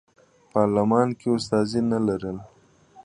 پارلمان کې استازي نه لرل.